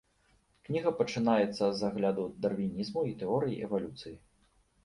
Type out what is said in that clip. Кніга пачынаецца з агляду дарвінізму і тэорыі эвалюцыі.